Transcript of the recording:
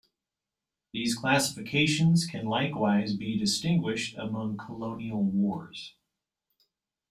These classifications can likewise be distinguished among colonial wars.